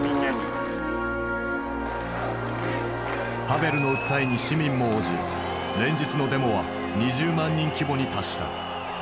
ハヴェルの訴えに市民も応じ連日のデモは２０万人規模に達した。